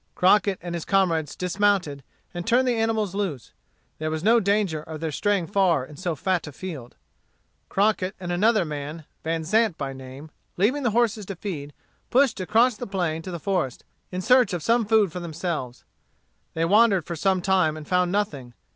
Crockett and his comrades dismounted, and turned the animals loose. There was no danger of their straying far in so fat a field. Crockett and another man, Vanzant by name, leaving the horses to feed, pushed across the plain to the forest, in search of some food for themselves They wandered for some time, and found nothing.